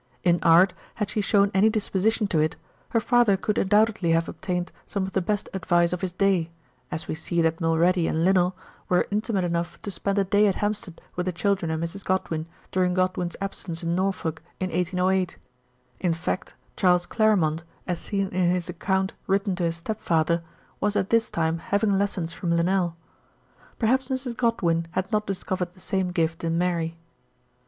In art, had she shown any dis position to it, her lather could undoubtedly have obtained some of the best advice of his day, as we see that Mnlready and Linnell were intimate enough to spend a day at Hampstead with the children and Mrs. Godwin during Godwin's absence in Norfolk in 1808; in fact, Charles Clairmoiit, as seen in his account written to his step father, was at this time having lessons from Linnell. Perhaps Mrs. Godwin had not discovered the same gift in Mary.